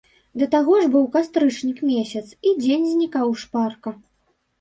Да таго ж быў кастрычнік месяц, і дзень знікаў шпарка.